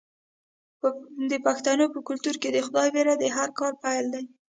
د پښتنو په کلتور کې د خدای ویره د هر کار پیل دی.